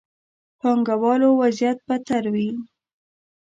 پانګه والو وضعيت بدتر وي.